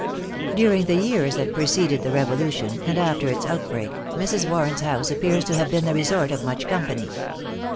During the years that preceded the Revolution, and after its outbreak, Mrs. Warren's house appears to have been the resort of much company.